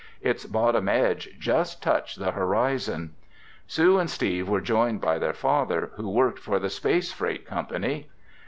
Its bottom edge just touched the horizon. Sue and Steve were joined by their father, who worked for the space freight company.